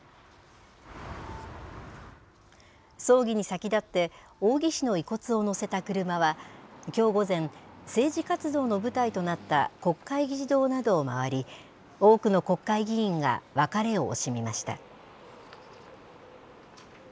葬儀に先立って、扇氏の遺骨を乗せた車は、きょう午前、政治活動の舞台となった国会議事堂などを回り、多くの国会議員が別れを惜しみました。